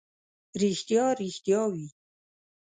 ریښتیا، ریښتیا وي.